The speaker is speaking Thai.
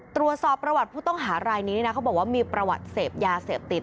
ตรวจสอบประวัติผู้ต้องหารายนี้นะเขาบอกว่ามีประวัติเสพยาเสพติด